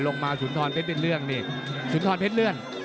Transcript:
มาสุนทรเพชรเป็นเรื่องนี่สุนทรเพชรเลื่อน